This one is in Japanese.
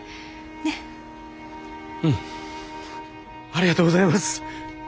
ありがとうございます。